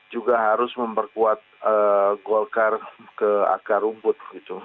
juga harus memperkuat golkar ke akar rumput